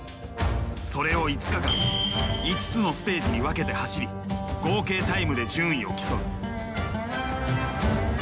それを５日間５つのステージに分けて走り合計タイムで順位を競う。